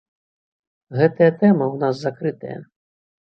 Гэтая тэма ў нас закрытая.